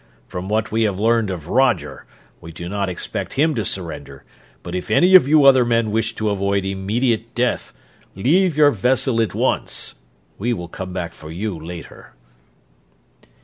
From what we have learned of Roger, we do not expect him to surrender, but if any of you other men wish to avoid immediate death, leave your vessel at once. We will come back for you later."